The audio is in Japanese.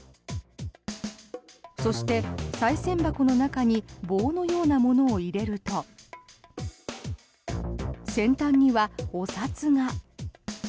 そして、さい銭箱の中に棒のようなものを入れると先端には、お札が。